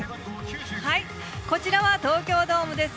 こちらは東京ドームです。